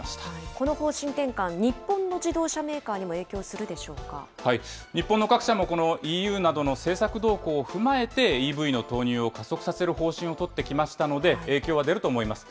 この方針転換、日本の自動車メーカーにも影響するでしょうか日本の各社も、このＥＵなどの政策動向を踏まえて、ＥＶの投入を加速させる方針を取ってきましたので、影響は出ると思います。